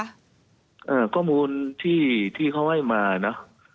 สก่อมูลที่เขาไว้มาเนอะ